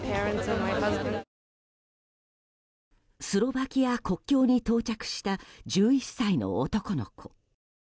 スロバキア国境に到着した１１歳の男の子。